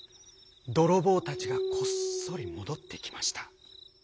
どろぼうたちがこっそりもどってきました。